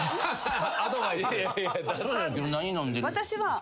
私は。